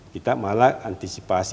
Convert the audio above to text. kita malah antisipasi